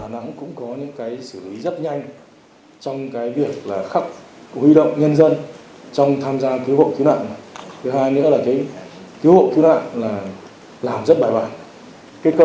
nếu như không có lực lượng tại chỗ không có cách huy động người dân tại chỗ